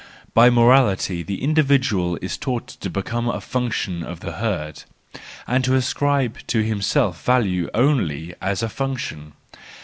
By morality the individual is taught to become a function of the herd, and to ascribe to himself value only as a function.